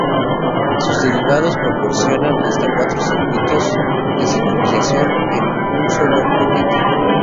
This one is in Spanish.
Sus derivados proporcionan hasta cuatro circuitos de sincronización en un solo paquete.